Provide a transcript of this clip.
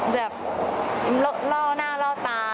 แบบล่อหน้าล่อตา